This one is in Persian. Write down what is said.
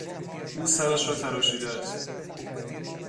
او سرش را تراشیده است.